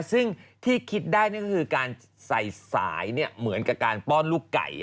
ซึ่งที่คิดได้นั่นก็คือการใส่สายเหมือนกับการป้อนลูกไก่